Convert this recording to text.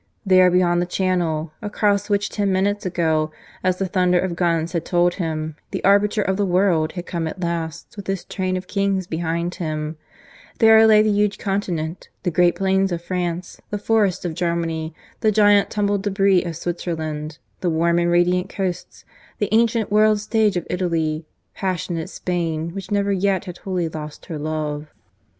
There beyond the channel across which ten minutes ago, as the thunder of guns had told him, the Arbiter of the World had come at last with his train of kings behind him there lay the huge continent, the great plains of France, the forests of Germany, the giant tumbled debris of Switzerland, the warm and radiant coasts, the ancient world stage of Italy, passionate Spain which never yet had wholly lost her love.